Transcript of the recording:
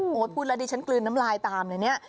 โหอดคูณละดิอฉันกลืนน้ำลายตามเลยเนี่ย